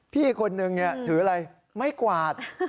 พี่คนนึงถืออะไรไม่กวาด